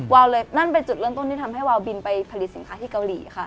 วาวเลยนั่นเป็นจุดเริ่มต้นที่ทำให้วาวบินไปผลิตสินค้าที่เกาหลีค่ะ